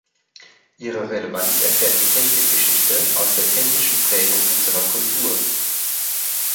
Ihre Relevanz erfährt die Technikgeschichte aus der technischen Prägung unserer Kultur.